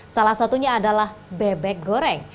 salah satunya adalah bebek goreng